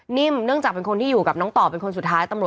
นิ้มเนื่องจากเป็นคนที่อยู่กับน้องต่อเป็นคนสุดท้าย